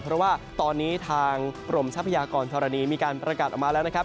เพราะว่าตอนนี้ทางกรมทรัพยากรธรณีมีการประกาศออกมาแล้วนะครับ